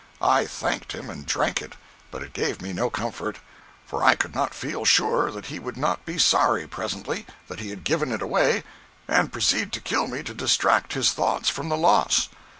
I thanked him and drank it, but it gave me no comfort, for I could not feel sure that he would not be sorry, presently, that he had given it away, and proceed to kill me to distract his thoughts from the loss.